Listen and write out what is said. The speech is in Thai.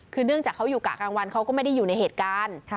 คือเนื่องจากเขาอยู่กะกลางวันเขาก็ไม่ได้อยู่ในเหตุการณ์